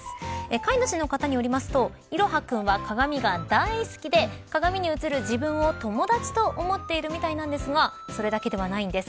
飼い主の方によりますといろは君は鏡が大好きで鏡に映る自分を友達と思っているみたいなんですがそれだけではないんです。